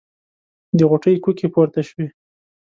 د غوټۍ کوکې پورته شوې.